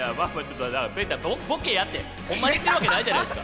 ボケやて、ホンマに言ってるわけないじゃないですか。